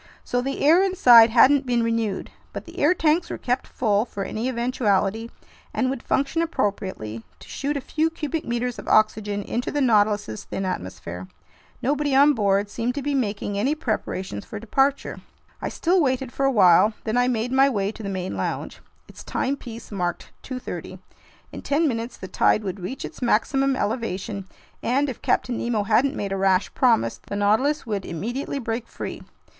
So the air inside hadn't been renewed; but the air tanks were kept full for any eventuality and would function appropriately to shoot a few cubic meters of oxygen into the Nautilus's thin atmosphere. I worked in my stateroom until noon without seeing Captain Nemo even for an instant. Nobody on board seemed to be making any preparations for departure. I still waited for a while, then I made my way to the main lounge. Its timepiece marked 2:30. In ten minutes the tide would reach its maximum elevation, and if Captain Nemo hadn't made a rash promise, the Nautilus would immediately break free.